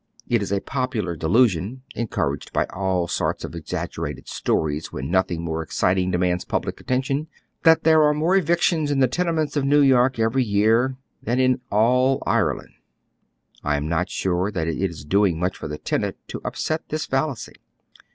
It is a popular delusion, encouraged by all sorts of exag gerated stories when nothing more exciting demands pub lic attention, that there are more evictions in the tene ments of New York every year " than in all Ireland." I am not sure that it is doing much for the tenant to npset this fallacy.